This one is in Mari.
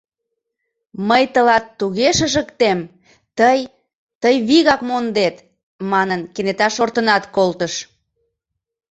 — Мый тылат туге шыжыктем, тый... тый вигак мондет... — манын, кенета шортынат колтыш.